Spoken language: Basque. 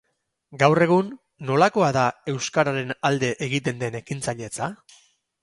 Gaur egun, nolakoa da euskararen alde egiten den ekintzailetza?